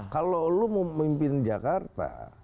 kalau lo mau memimpin jakarta